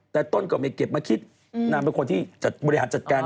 แต่ต้นก็ไม่เก็บมาคิดนางเป็นคนที่บริหารจัดการ